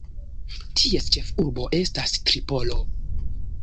Ties ĉefurbo estas Tripolo.